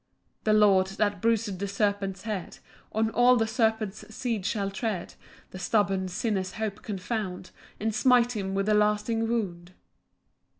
5 The Lord, that bruis'd the serpent's head, On all the serpent's seed shall tread; The stubborn sinner's hope confound, And smite him with a lasting wound.